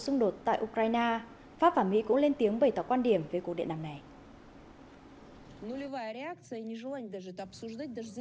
xung đột tại ukraine pháp và mỹ cũng lên tiếng bày tỏ quan điểm về cuộc điện đàm này